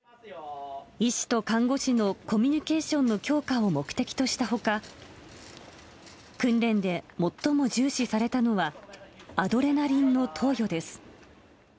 医師と看護師のコミュニケーションの強化を目的としたほか、訓練で最も重視されたのは、アドレナリンの投与です。